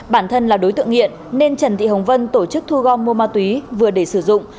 bản thân là đối tượng nghiện nên trần thị hồng vân tổ chức thu gom mua ma túy vừa để sử dụng